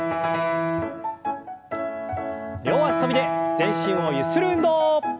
両脚跳びで全身をゆする運動。